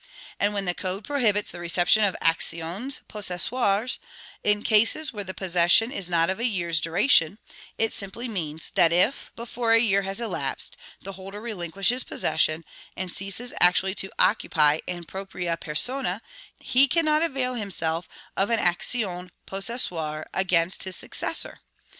And when the code prohibits the reception of actions possessoires, in cases where the possession is not of a year's duration, it simply means that if, before a year has elapsed, the holder relinquishes possession, and ceases actually to occupy in propria persona, he cannot avail himself of an action possessoire against his successor.